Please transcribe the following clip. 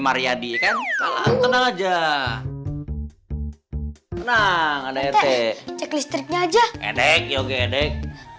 maryadi kan kalah tenang aja nah ada rt cek listriknya aja edek yoge edek